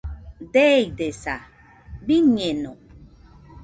Deidesaa, biñeno